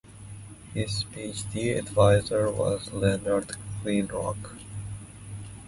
His Ph.D. advisor was Leonard Kleinrock.